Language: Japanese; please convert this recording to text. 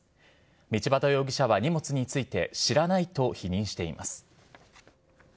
道端容疑者は荷物について、知らないと否認しています。